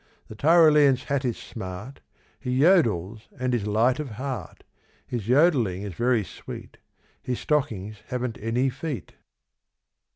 The Tyrolean's hat is smart, He yodels and is light of heart; His yodelling is very sweet; His stockings haven't any feet.